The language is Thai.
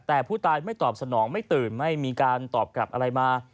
แต่ผู้ตายไม่ตอบสนองไม่ตื่นไม่มีการตอบกลับอะไรมา